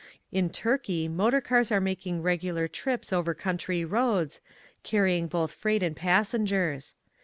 In Turkey motor cars are making regular trips over covm try roads, carrying both freight and pas sengers.